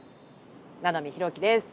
七海ひろきです。